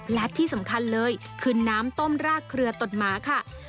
และที่สำคัญเลยคือน้ำต้มรากเครือตดหมาค่ะ